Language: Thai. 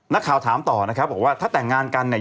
นักข่าวถามต่อนะครับบอกว่าถ้าแต่งงานกันเนี่ย